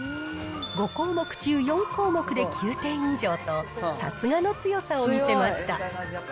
５項目中４項目で９点以上と、さすがの強さを見せました。